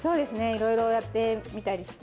いろいろやってみたりして。